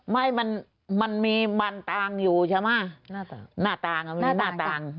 ไม่มันมีบานต่างอยู่ใช่ไหมหน้าต่างมีหน้าต่าง